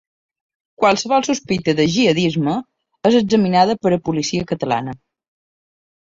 Qualsevol sospita de gihadisme és examinada per a policia catalana